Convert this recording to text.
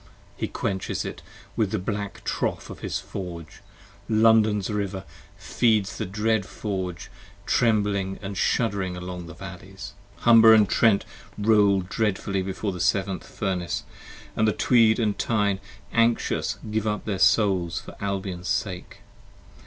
He quenches it in the black trough of his Forge : London's River 15 Feeds the dread Forge, trembling & shuddering along the Valleys. Humber & Trent roll dreadful before the Seventh Furnace, And Tweed & Tyne anxious give up their souls for Albion's sake.